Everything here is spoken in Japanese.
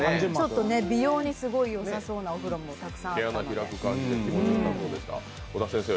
美容にすごい良さそうなお風呂もたくさんあるので。